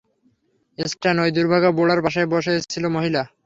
স্ট্যান, ঐ দুর্ভাগা বুড়ার পাশেই বসে ছিল মহিলা।